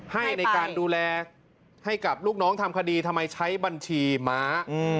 ให้ในการดูแลให้กับลูกน้องทำคดีทำไมใช้บัญชีม้า